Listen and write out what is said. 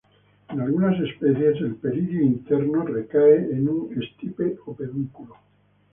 En algunas especies, el peridio interno recae en un estipe o pedúnculo.